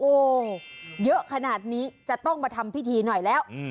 เยอะขนาดนี้จะต้องมาทำพิธีหน่อยแล้ว